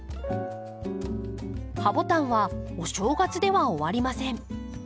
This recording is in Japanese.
ハボタンはお正月では終わりません。